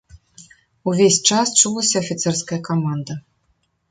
Увесь час чулася афіцэрская каманда.